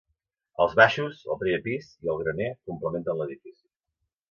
Els baixos, el primer pis i el graner complementen l'edifici.